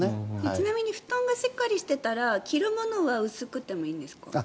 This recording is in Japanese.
ちなみに布団がしっかりしていたら着るものは薄くてもいいんですか？